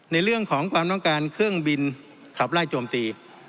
ในเรื่องของความต้องการเครื่องบินขับไล่โจมตี